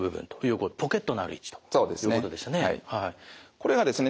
これがですね